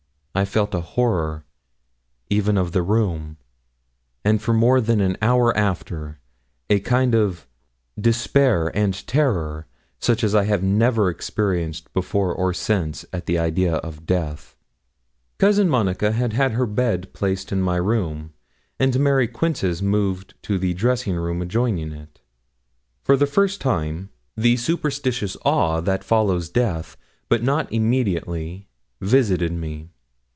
I felt a horror even of the room, and for more than an hour after a kind of despair and terror, such as I have never experienced before or since at the idea of death. Cousin Monica had had her bed placed in my room, and Mary Quince's moved to the dressing room adjoining it. For the first time the superstitious awe that follows death, but not immediately, visited me.